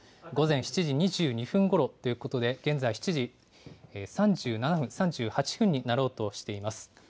午前７時２２分ごろということで、現在７時３７分、３８分になろうとしています。